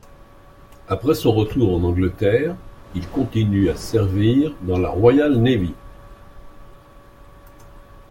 Après son retour en Angleterre, il continue à servir dans la Royal Navy.